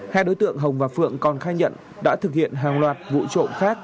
hai đối tượng hồng và phượng còn khai nhận đã thực hiện hàng loạt vụ trộm khác